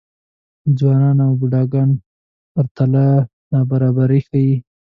ځوانان او بوډاګان پرتله نابرابري ښيي.